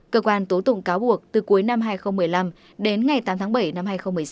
cơ quan tố tụng cáo buộc từ cuối năm hai nghìn một mươi năm đến ngày tám tháng bảy năm hai nghìn một mươi sáu